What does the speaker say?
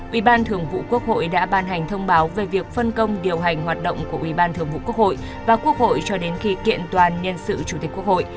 ủy ban thường vụ quốc hội đã ban hành thông báo về việc phân công điều hành hoạt động của ủy ban thường vụ quốc hội và quốc hội cho đến khi kiện toàn nhân sự chủ tịch quốc hội